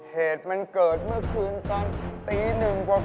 เหตุมันเกิดเมื่อคืนตอนตีหนึ่งกว่า